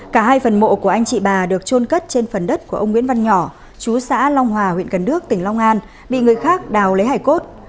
cả hai phần mộ của anh chị bà được trôn cất trên phần đất của ông nguyễn văn nhỏ chú xã long hòa huyện cần đước tỉnh long an bị người khác đào lấy hải cốt